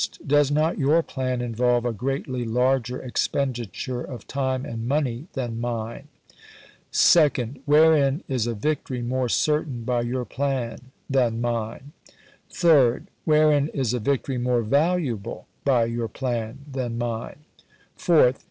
Does not your plan involve a greatly larger ex penditure of time and money than mine ? Second. Wherein is a victory more certain by your plan than mine! McCtenan* Third. Wherein is a victory more valuable by your Feb. 3, 1862. plan than mine 1 voi. v., Fourth.